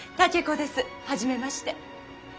初めまして。